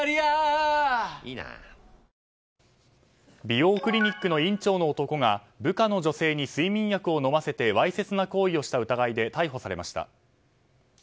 美容クリニックの院長の男が部下の女性に睡眠薬を飲ませてわいせつな行為をした疑いで逮捕されました。